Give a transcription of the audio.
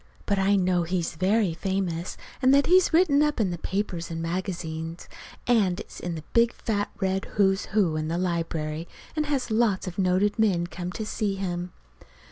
But I know he's very famous, and that he's written up in the papers and magazines, and is in the big fat red "Who's Who" in the library, and has lots of noted men come to see him.